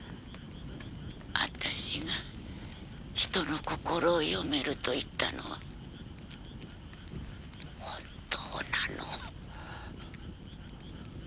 私が人の心を読めると言ったのは本当なの。